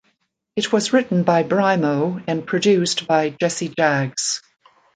It was written by Brymo and produced by Jesse Jagz.